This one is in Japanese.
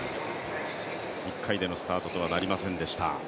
１回でのスタートとはなりませんでした。